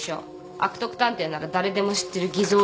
悪徳探偵なら誰でも知ってる偽造印の作り方。